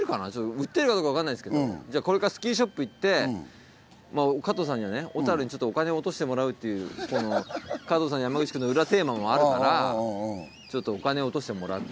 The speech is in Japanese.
売ってるかどうか分かんないですけどこれからスキーショップ行って加藤さんには小樽にお金を落としてもらうっていう『加藤さんと山口くん』の裏テーマもあるからお金を落としてもらって。